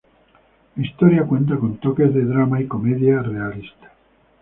La historia cuenta con toques de drama y comedia realista.